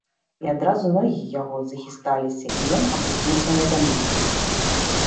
І адразу ногі яго захісталіся, і ён апусціўся на зямлю.